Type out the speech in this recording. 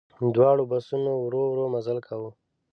دواړو بسونو ورو ورو مزل کاوه.